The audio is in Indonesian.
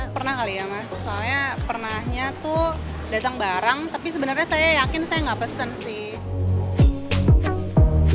pernah kali ya mas soalnya pernahnya tuh datang barang tapi sebenarnya saya yakin saya nggak pesen sih